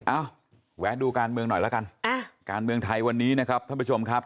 เอ้าแวะดูการเมืองหน่อยแล้วกันการเมืองไทยวันนี้นะครับท่านผู้ชมครับ